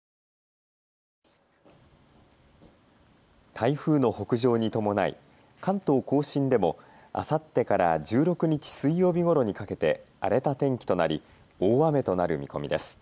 台風の北上に伴い、関東甲信でもあさってから１６日水曜日ごろにかけて荒れた天気となり大雨となる見込みです。